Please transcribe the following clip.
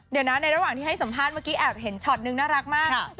เดี๋ยวนะในระหว่างที่ให้สัมภาษณ์เมื่อกี้แอบเห็นช็อตนึงน่ารักมาก